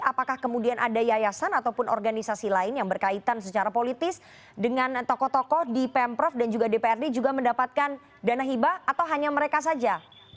apakah kemudian ada yayasan ataupun organisasi lain yang berkaitan secara politis dengan tokoh tokoh di pemprov dan juga dprd juga mendapatkan dana hibah atau hanya mereka saja